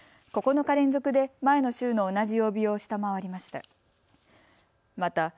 ９日連続で前の週の同じ曜日を下回りました。